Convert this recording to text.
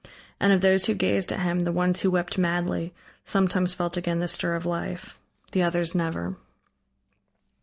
And of those who gazed at him, the ones who wept madly, sometimes felt again the stir of life; the others never.